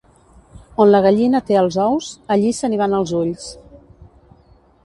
On la gallina té els ous, allí se n'hi van els ulls.